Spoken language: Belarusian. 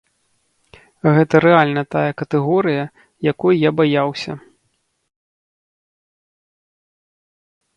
Гэта рэальна тая катэгорыя, якой я баяўся.